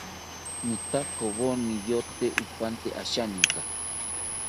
Nitakawo niyote ipante asheninka